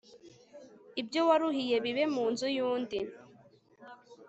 ibyo waruhiye bibe mu nzu y undi